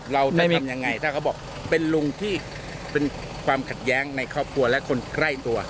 เราจะเป็นยังไงถ้าเขาบอกเป็นลุงที่เป็นความขัดแย้งในครอบครัวและคนใกล้ตัว